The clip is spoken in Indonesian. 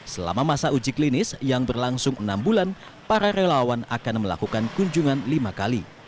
selama masa uji klinis yang berlangsung enam bulan para relawan akan melakukan kunjungan lima kali